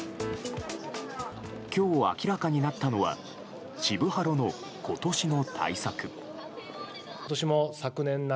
今日、明らかになったのは渋ハロの今年の対策。